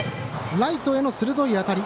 ライトへの鋭い当たり